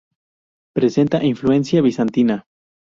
Presenta influencia bizantina.